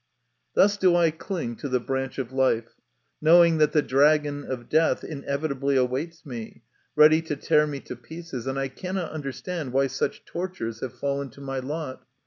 Thus do I cling to the branch of life, knowing that the dragon of death inevitably awaits me, ready to tear me to pieces, and I cannot understand why such tortures have fallen to my lot.